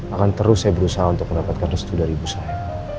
akan terus saya berusaha untuk mendapatkan restu dari ibu saya